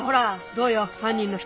どうよ犯人の人